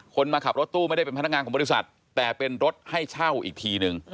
มาขับรถตู้ไม่ได้เป็นพนักงานของบริษัทแต่เป็นรถให้เช่าอีกทีนึง